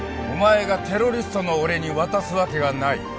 お前がテロリストの俺に渡すわけがない